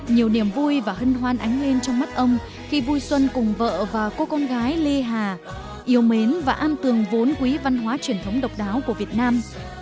nhiều niềm vui và hân hoan ánh lên trong mắt ông khi vui xuân cùng vợ và cô con gái lê hà yêu mến và am tường vốn quý văn hóa truyền thống độc đáo của việt nam